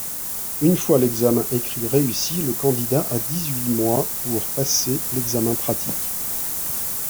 Une fois l'examen écrit réussi, le candidat a dix-huit mois pour passer l’examen pratique.